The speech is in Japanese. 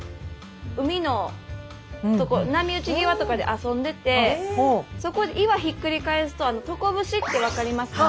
海のとこ波打ち際とかで遊んでてそこで岩ひっくり返すとトコブシって分かりますか？